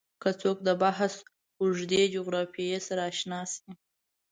که څوک د بحث اوږدې جغرافیې سره اشنا شي